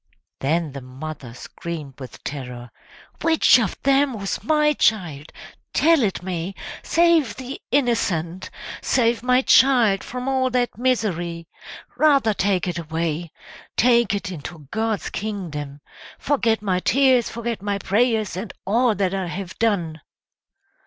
Then the mother screamed with terror, "Which of them was my child? Tell it me! Save the innocent! Save my child from all that misery! Rather take it away! Take it into God's kingdom! Forget my tears, forget my prayers, and all that I have done!"